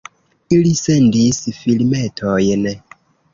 Ili sendis filmetojn.